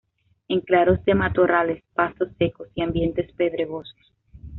En claros de matorrales, pastos secos y ambientes pedregosos.